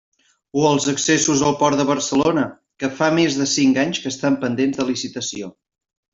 O els accessos al Port de Barcelona, que fa més de cinc anys que estan pendents de licitació.